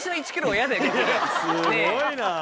すごいな。